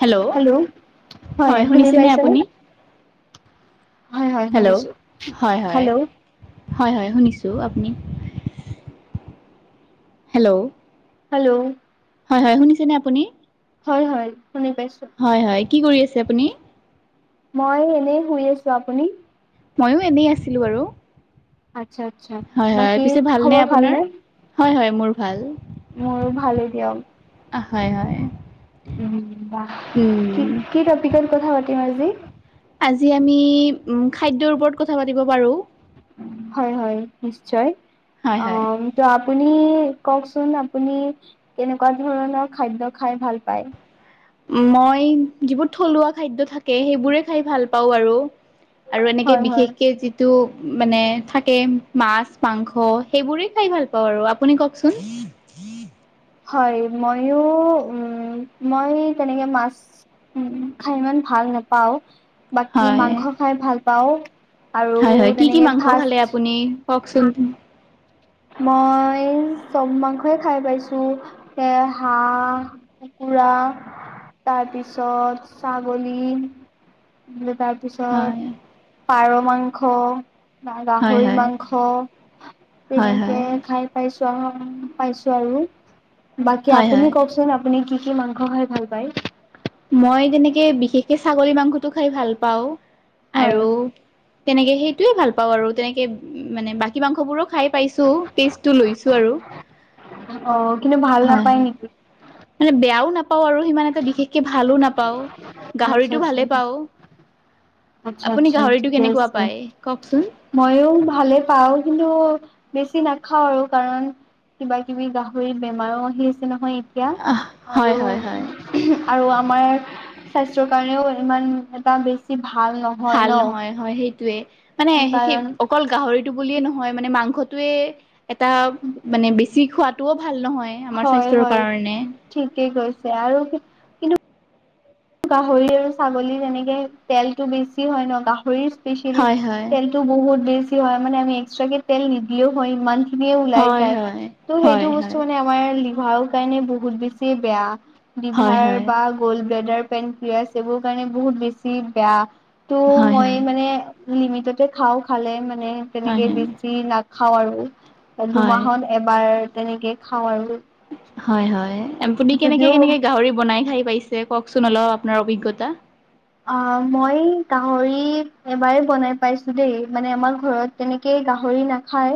Hello, হয়। শুনি শুনিছেনে পাইছেনে? আপুনি? হয় হয় হেল্ল', শুনিছো। হয়, হয়। হেল্ল' হয়, হয়, শুনিছোঁ। আপুনি? হেল্ল'। হেল্ল'। হয়, হয়, শুনিছেনে আপুনি? হয়, হয়, শুনি পাইছোঁ। হয় হয় কি কৰি আছে আপুনি? মই এনেই শুই আছো। আপুনি? ময়ো এনেই আছিলোঁ বাৰু। আচ্ছা আচ্ছা। হয়, হয়, বাকী পিছে ভালনে খবৰ আপোনাৰ? হয়, হয়, মোৰ ভাল। মোৰো ভালেই দিয়ক। হয়, হয়। উম, বা উম কি-কি টপিকত কথা পাতিম আজি? আজি আমি উম, খাদ্যৰ ওপৰত কথা পাতিব পাৰো। হয়, হয়, নিশ্চয়। হয় হয় অ', ত' আ আপুনি কওঁকচোন, আপুনি কেনেকুৱা ধৰণৰ খাদ্য খাই ভাল পায়। মই যিবোৰ থলুৱা খাদ্য থাকে, সেইবোৰে খাই ভাল পাওঁ আৰু। আৰু এনেকে হয় হয়। বিশেষকে যিটো মানে থাকে মাছ মাংস, সেইবোৰেই খাই ভাল পাওঁ আৰু, আপুনি কওকচোন। [unintelligible] হয় মইো, উ মই তেনেকে মাছ উ খাই ইমান ভাল নাপাও, বাকী হয় মাংস খাই ভাল পাও। আৰু হয় হয় কি কি তেনেকে মাংস খালে ফাষ্ট আপুনি কওকচোন মই চব মাংসই খাই পাইছো, এ হাঁহ কুকুৰা তাৰপিছত ছাগলী তাৰিছ তাৰপিছত, হয় পাৰ মাংস। হয় গাহৰি হয় মাংস, হয় তেনেকে হয় খাই পাইছো। পাইছো আৰু, বাকী হয় হয় আপুনি কওকচোন আপুনি কি কি মাংস খাই ভাল পায়। মই তেনেকে বিশেষকে ছাগলী মাংসটো খাই ভাল পাওঁ, হয় আৰু তেনেকে সেইটোয়ে ভাল পাওঁ আৰু তেনেকে মানে বাকী মাংস বোৰো খাই পাইছো টেষ্টতো লৈছো আৰু, অ কিন্তু ভাল হয়। নাপায় নেকি? মান বয়াও নাপ পাওঁ আৰু সিমান এটা বিশেষকে ভালো নাপাওঁ, আচ্ছা গাহৰিতটো আচ্ছা ভালে পাওঁ। আচ্ছা আপুনি আচ্ছা গাহৰিটো ঠিকে কেনেকুৱা আছে, পায় কওকচোন? মইো ভালে পাও কিন্তু বেছি নাখাও আৰু, কাৰণ কিবা কিবি গাহৰি বেমাৰো আহি আছে নহয়। তিয়া আহ হয় আৰু হয় হয় আৰু আমাৰ স্বাস্থ্যৰ কাৰণেও ইমান এটা বেছি ভাল নহয় ভাল ন নহয় হয় সেইটোয়ে, মানে সেই কাৰণ অকল গাহৰিটো বুলিয়ে নহয় মানে মাংস এটা মানে বেছি খোৱাদ হয় হয়, ঠিকেই গৈছে আৰু কিন্তু গাহৰি আৰু ছাগলী যেনেকে তেলতটো বেছি হয় ন গাহৰি সেলি হয় হয় তেলটো বহুত বেছি হয় মানে আমি এক্সট্ৰ কে তেল নিদিয়েও হয় ইমান। িনিয়ে ওলাই হয় যায়, হয় ত' হয় সেইটো হয় বস্তু মানে আমাৰ লিভাৰ কাৰণে বহুত বেছি বেয়া। হয় ডিভাৰ হয় বা গ'ল্ড ব্লেডাৰ পেণ্ কিয়ছ সবোৰ কাৰণে বহুত বেছি বেয়া। ত হয় মই হয় মানে লিমিটতে খাও, খালে মানে হয় হয় তেনেকে বেছি ন খাওঁ আৰু হয়। দুমাহত এবাৰ তেনেকে খাওঁ আৰু। হয় হয় আপুনি কেনেকে যদিও কেনেকে গাহৰি বনাই খাই? পাইছে কওকচোন অলপ আপোনাৰ অভিজ্ঞতা। আ মই গাহৰি এবাৰ বনাই পাইছো দেই, মানে আমাৰ ঘৰত তেনেকে গাহৰি নাখায়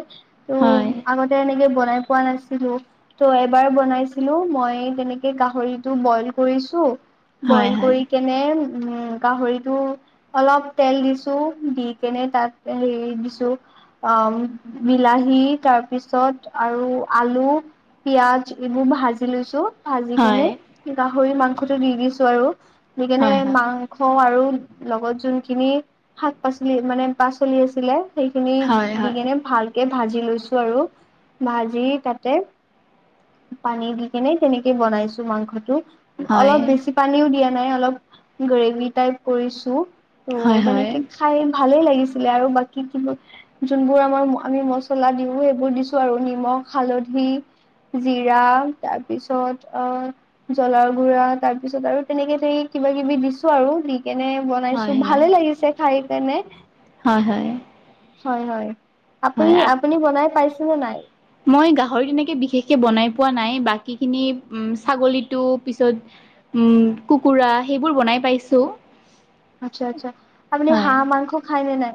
ত হয় আগতে এনেকে বনাই পোৱা নাছিলো, ত' এবাৰ বনাইছিলো মই তেনেকে গাহৰিটো বইল কৰিছো। হয় বইল হয় কৰি কেনে উম গাহৰিটো অলপ তেল দিছো, দি কেনে তাত হেৰি দিছো অ' বিলাহী তাৰপিছত আৰু আলু পিয়াজ এইবোৰ ভাজি লৈছো। ভাজি হয় কেনে, গাহৰি মাংসটো দি দিছো আৰু দি কেনে হয় মাং থ আৰু লগত যোনখিনি শাক পাচলি মানে পাচলি আছিলে। সেইখিনি হয় হয় দি হয় কেনে ভালকে ভাজি লৈছো আৰু, ভাজি তাতে পানী দি কেনে তেনেকে বনাইছো মাংসটো, অলপ হয় বেছি পানীও দিয়া নে অলপ গ্ৰেভি টাইপ কৰিছো, ত হয় হয় তেনেকে খাই ভাল ভালেই লাগিছিলে আৰু বাকী কিবোৰ, যোনবোৰ আমাৰ আমি মছলা দিও সেইবোৰ দিছো আৰু নিমখ হালধি জিৰা তাৰপিছত আ জলাৰ গুৰা তাৰ পিছত আৰু তেনেকে ধেৰি কিবা কিবি দিছো আৰু দি কেনে হয় বনাইছো হয় ভালে লাগিছে খাই কেনে। হয় হয়। হয় হয়, আপুনি হয় আপুনি বনাই পাইছে নে নাই? মই গাহৰি তেনেকৈ বিশেষকৈ বনাই পোৱা নাই, বাকীখিনি ছাগলীটো পিছত উ, কুকুৰা, সেইবোৰ বনাই পাইছো। আচ্ছা, আচ্ছা। আপুনি হয় হাঁ মাংস খাইনে নাই?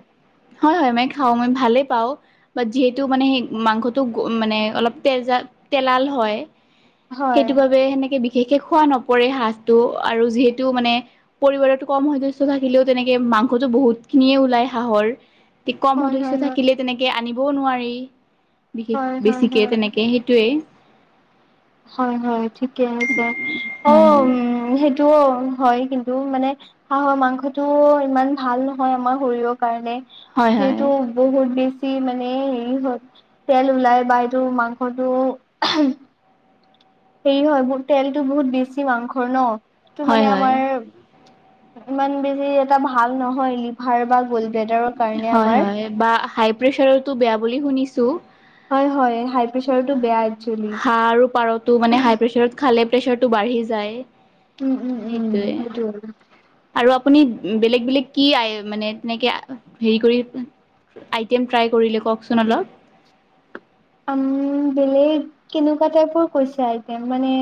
হয় হয়, মই খাওঁ। মই ভালে পাওঁ। বাত, যিহেতু মানে সেই মাংসটো মানে অলপ তেজাল তেলাল হয়। সেইটো হয় বাবে সেনেকে বি বিশেষ খোৱা নপৰে হাঁহটো, আৰু যিহেতু মানে পৰিবাৰত কম হৈ গৈছে থাকিলেও তেনেকে মাংসটো বহুতখিনিয়ে ওলায় হাঁহৰ। তি কম হয় সদস্য হয় হয় থাকিলে তেনেকে আনিবও নোৱাৰি। বিশেষ, হয় হয় বেছিকে হয় তেনেকে সেইটোয়ে। হয়, হয় ঠিকে আছা, অ', উম, সেই টো হয়, কিন্তু মানে হাঁহৰ মাংসটো ইমান ভাল নহয় আমাৰ শৰীৰৰ কাৰণে। হয় হয় যিটো বহুত বি ছি মানে হেৰি হয়, তেল ওলাই বা এইটো মাংসটো হেৰি হয়, তেলটো বহুত বেছি মাংসৰ ন! সেটো হয় মানে হয় আমাৰ ইমান বেছি এটা ভাল নহয়, লিভাৰ বা গ'ল্ড ব্লেডাৰৰ কাৰণে হয়, আমাৰ হয়, বা হাই প্ৰেচাৰটো বেয়া বুলি শুনিছো। হয়, হয়, হাই প্ৰেচাৰতটো বেয়াই। হাঁহ আৰু পাৰতো মানে হাই প্ৰেচাৰত খালে প্ৰেচাৰতটো বাঢ়ি যায়। উম উম উম সেইটোয়ে, সেইটো আৰু আপুনি বেলেগ বেলেগ কি আয় মানে তেনেকে হেৰি কৰি আইটেম ট্ৰাই কৰিলে কওঁকচোন অলপ। উম, বেলেগ কেনেকুৱা টাইপৰ কৈছে আইটেম, মানে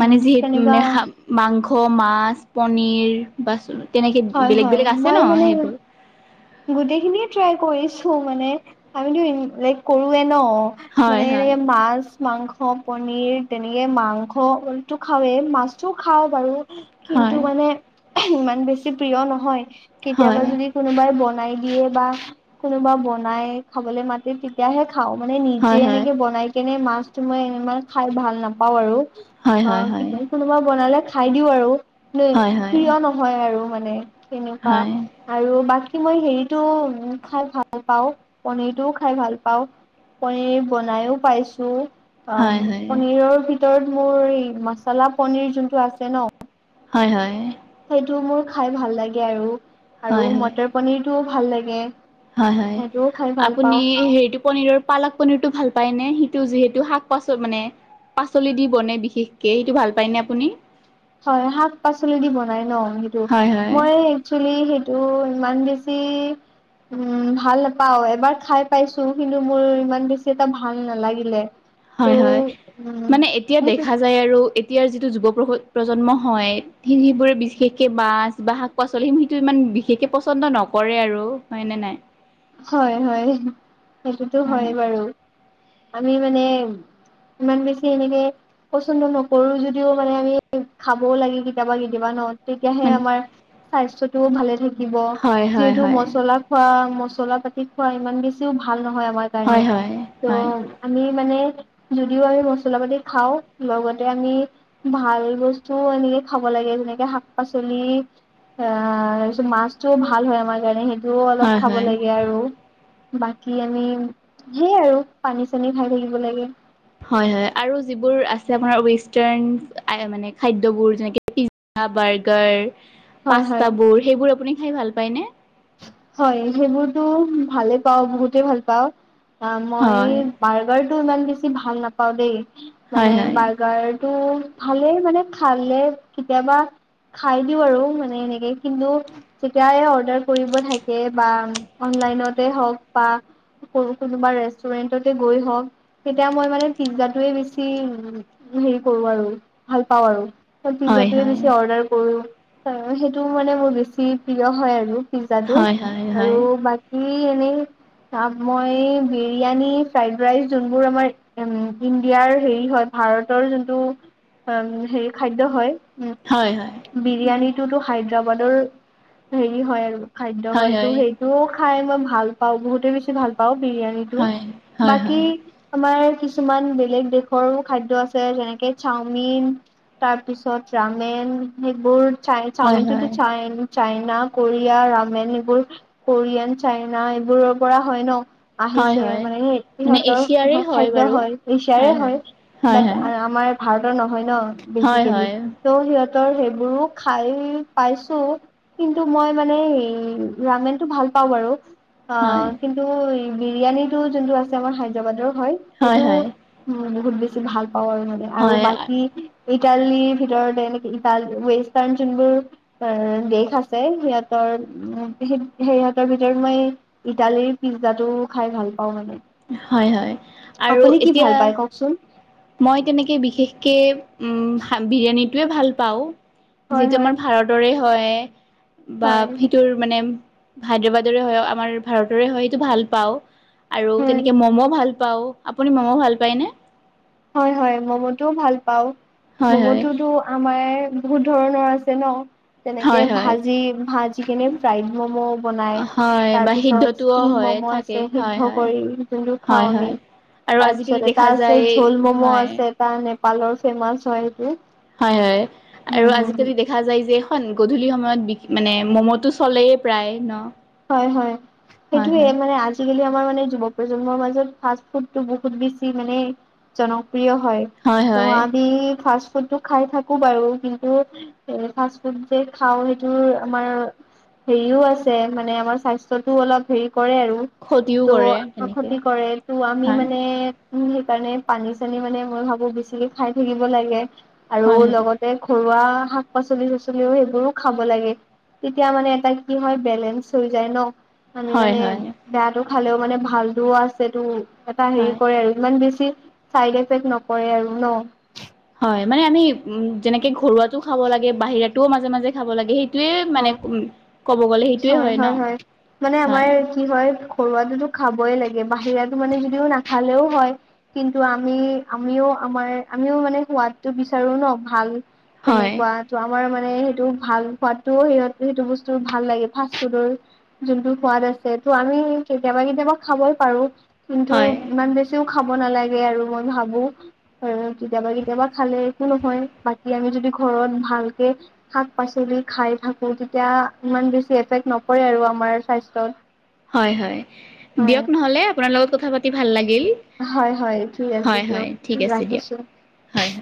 মানে যি তেনেকুৱা মানে শা, মাংস, মাছ, পনীৰ বাচ তেনেকে হয় বেলেগ হয় বেলেগ আছে ন মই মানে সেইবোৰ। গোটেইখিনিয়ে ট্ৰাই কৰিছো মানে, আমিতো [unintelligible] কৰোৱে ন! হয় মানে এনে হয় মাছ, মাংস। পনীৰ, তেনেকে মাংস টো খাওৱেই, মাছটো খাওঁ বাৰু। হয় কিন্তু মানে, ইমান বেছি প্ৰিয় নহয়, হয় হয় কেতিয়াবা যদি কোনোবাই বন নাই দিয়ে বা, কোনোবা বনাই খাবলৈ মাতে তেতিয়াহে খাওঁ, মানে নিজ্জে হয় হয় এনেকে বনাই কেনে মাছটো মই ইমান খাই ভাল নাপাওঁ আৰু। হয় হয় অ', কি হয় কোনোবা বনালে খাই দিওঁ আৰু দেই, হয় হয় প্ৰিয় নহয় আৰু। মানে তেনুকা, হয় আৰু বাক কী মই হেৰিটো, খাই ভাল পাওঁ, পনীৰটোও খাই ভাল পাওঁ। পনীৰ বনাইয়ো পাইছো। হয় অ', হয় পনীৰৰ ভিতৰত মোৰ, মছালা পনীৰ জোনটো আছে ন! হয়, হয়। সেইটো মোৰ খাই ভাল লাগে আৰু, আৰু হয় মটৰ পনীৰটোও ভাল লাগে। হয়, হয়। সেইটোও খাই ভাল আপুনি পাওঁ। হেৰিটো পনীৰৰ পালক পনীৰটো ভাল পায়নে সিটো যিহেতু শাক-পাচল মানে পাচলি দি বনে বিশেষকে, সেইটো ভাল পায়নে আপুনি? হয়, শাক-পাচলি দি বনাই ন সেইটো, হয় হয় মই একচুৱেলি টো ইমান বেছি উম, ভাল নাপাওঁ, এবাৰ খাই পাইছো কিন্তু মোৰ ইমান বেছি এটা ভাল নালাগিলে। ত' হয়, হয়। উম মানে এতিয়া সেইটো দেখা যায় আৰু এতিয়াৰ যিটো যুৱপ্ৰস প্ৰজন্ম হয়, সেইবোৰে বিশেষকে মাছ বা শাক-পাচলি সিটো ইমান বিশেষকৈ পচন্দ নক কৰে আৰু হয়নে নাই? হয়, হয়। সেইটোতো হয় বাৰু, আমি মানে ইমান বেছি এনেকে, পচন্দ নকৰো যদিও মানে আমি, খাবও লাগে কেতিয়াবা কেতিয়াবা ন? তেতিয়াহে আমাৰ স্বাস্থ্যটোও ভালে থাকিব, হয় হয় যিহেতু হয় মছলা খোৱা মছ চলা পাতি খোৱা ইমান বেছিও ভাল নহয় আমাৰ কাৰণে। হয় হয় হয় ত' হয় আমি মানে, যদিও আমি মছলা পাতি খাওঁ, লগতে আমি ভাল বস্তুও আনি খাব লাগে যেনেকে শাক পাচলি, আহ তাৰপিছত মাছতটোও ভাল হয় আমাৰ কাৰণে সেই অলপ হয় খাব হয় লাগিব। আৰু বাকী আমি সেই আৰু, পানী চানী খাই থাকিব লাগে। হয় হয় আৰু যিবোৰ আছে আপোনাৰ ৱেষ্টাৰ মানে খাদ্যবোৰ যেনেকে পিজ্জা ব ব, হয় পাচটা হয়। বোৰ সেইবোৰ আপুনি খাই ভাল পায় নে? হয়, সেইবোৰতো ভালে পাও, বহুতে ভাল পাওঁ। আ, মই হয় বাৰ্গাৰটো ইমান বেছি ভাল নাপাওঁ দেই। হয় মানে হয় বাৰ্গাৰটো ভালে মানে খালে কেতিয়াবা খাই দিওঁ আৰু মানে এনেকে কিন্তু যেতিয়া অৰ্ডাৰ কৰিব থাকে বা অনলাইনতে হওক বা কোনোবা ৰেষ্টুৰেন্টতে গৈ হওক তেতিয়া মই মানে পিজ্জায়ে বেছি হেৰি কৰো আৰু, ভাল পাওঁ আৰু। মই হয় পিজ্জয়ে বেছি অৰ্ডাৰ কৰো, সেইটো মানে মোৰ বেছি প্ৰিয় হয় আৰু। পিজ্জাটো, হয় হয় আৰু হয় বাকী এনেই মই বিৰিয়ানী ফ্ৰাইড ৰাইচ যোনবোৰ আমাৰ ইণ্ডিয়াৰ হেৰি হয়। ভাৰতৰ যোনটো উম হেৰি খাদ্য হয়। হয় হয়। বিৰিয়ানীটোতো হায়দৰাবাদৰ হেৰি হয় আৰু খাদ্য হয় ত সেইটোও খাই ভাল পাওঁ, বহুতে বেছি ভাল পাওঁ বিৰিয়ানীটো, হয় হয় হয় হয় বাকি আমাৰ কিছুমান বেলেগ দেশৰো খাদ্য আছে যেনেকে চাওমিন। তাৰপিছত চাওমিন সেইবোৰাই হয় চাওমিনটোতোই হয় চাইনা কোৰিয়া ৰামেন এইবোৰ কোৰিয়ান চাইনা এইবোৰৰ পৰা হয় ন। হয় আহিছে হয় মানে মানে ইিহঁতৰ এছিয়াৰে খাদ্য বাৰু হয় এছিয়াৰে হয়। হয় বাট আমাৰ ভাৰতৰ নহয় ন, হয় বেচিকেলি হয় হয় ত' সিহত সেইবোৰো খাই পাইছো, কিন্তু মই মানে ৰামেন টো ভাল প বাৰু, আ হয় কিন্তু বিৰিয়ানীটো যোনটো আছে আমাৰ হায়দৰাবাদৰ। হয় সেইটো উ বহুত বেছি ভাল পাওঁ আৰু মানে আৰু হয় হয় বাকী ইটালীৰ ভিতৰতে নেকি? ৱেষ্টাৰ যোনবোৰ দেশ আছে, সিহঁতৰ ত ভিতৰত, মই ইটালীৰ পিজ্জাটো খাই ভাল। পাওঁ মানে হয় হয়, আৰু আপুনি কি এতিয়া ভাল পায় কওকচোন মই তেনেকে বিশেষকে উম বিৰিয়ানীটোৱে ভাল পাওঁ। হয় যিটো হয় আমাৰ ভাৰতৰে হয়। বা হয় সেইটোৰ মানে, হায়দৰাবাদৰে হয় আমাৰ ভাৰতৰে হয় সেইটো ভাল পাও। আৰু হয়, তেনেকে মম' ভাল পাও, আপুনি মম' ভাল পায়নে? হয় হয় মম'টোও ভাল পাও, হয় হয় মম'টোতো আমাৰ বহুত ধৰণৰ আছে ন। তেনেকে হয় হয় ভাজি ভাজিখিনি ফ্ৰাইড মম' বনাই হয় বা সিদ্ধটোও তাৰপিছত ম হয় থাকে আছে সিদ্ধ হয় হয় কৰি যোনটো খাওঁ হয় আমি হয় আৰু আজিকালি তাৰপিছতে দেখা তাৰ আছে যায় ধোল মম' হয় আছে তাৰ নেপালৰ ফেমাচ হয় সটো। হয় হয়, আৰু আজিকালি দেখা যায় যে গধূলি সময়ত বি মানে ম'ম'তটো চলেয়ে প্ৰায় ন। হয় হয়, হয় সেইটোয়ে হয় মানে আজিকালি মাৰ মানে যুৱ প্ৰজন্মৰ মাজত ফাষ্ট ফুডটো বহুত বেছি মানে জনক প্ৰিয় হয়, ত আদি ফ ফুডটো খাই থাকো বাৰু কিন্তু, এ ফাষ্ট ফুড যে খাওঁ সেইটো আমাৰ হেৰিও আছে মানে আমাৰ স্বাস্থ্যতটোও অলপ হেৰি কৰে আৰু, ক্ষতিও কৰে ত' তেনেকে কতি কৰে ত' আমি হয় মানে উ সেইকাৰণে পানী চানী মানে মই ভাবো বেছিকে খাই থাকিব লাগে। আৰু হয় লগতে ঘৰুৱা শাক পাচলিৰ চাচলি সেইবোৰও খাব লাগে, তেতিয়া মানে এটা কি হয় বে চ হৈ যায় ন, আমি হয় মানে হয় হয় বেয়াতটো খালেও মানে ভালতোও আছে তো এটা হেৰি হয় কৰে আৰু, ইমান বেছি চাইড এফেক্ট নকৰে আৰু ন। হয় মানে আমি, উম যেনেকে ঘৰুৱাতটো খাব লাগে বাহিৰাতোও মাজে মাজে খাব লাগে, সেই সেইটয়ে মানে, হয় ক'ব গ'লে সেইটোয়ে হয় ন, হয়। ঘৰুৱটোতো খাবই লাগে বাহিৰাতো মানে যদিও নাখালেও হয়, কিন্তু আমি আমিও আমাৰ আমিও মানে সোৱাদটো বিচাৰো ন ভাল। হয় তেনেকুৱা ত আমাৰ মানে সেইটো ভাল হোৱাত ত সিহঁত সেইটো বস্তু ভাল লাগে ফাষ্ট ফুডৰ, যোনটো সোৱাদ আছে ত' আমি কেতিয়াবা কেতিয়াবা ই খাবই পাৰো কিন্তু হয় ইমান বেছিও খাব নালাগে আৰু মই ভাবো, আৰু কেতিয়াবা কেতিয়াবা খালে একো নহয় বাকী আমি যদি ঘৰত ভালকে, শাক পাচলি খাই থাকো তেতিয়া ইমান বেছি এফেক্ট নপৰে আৰু আমাৰ স্বাস্থ্যত। হয় হয়, হয় দিয়ক নহলে আপোনাৰ লগত কথা পাতি ভাল লাগে গিল, হয় হয় ঠিক আছে হয় হয় দিয়ক ঠিক আছে দিয়ক, ৰাখিছোঁ হয়।